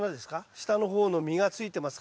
下の方の実がついてますか？